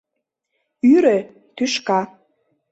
Ӱрӧ — тӱшка.